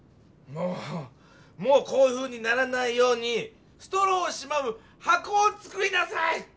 もうもうこういうふうにならないようにストローをしまうはこをつくりなさい！